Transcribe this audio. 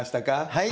はい。